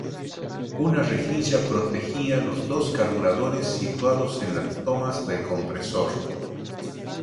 Una rejilla protegía los dos carburadores, situados en las tomas del compresor.